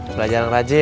belajar rajin ya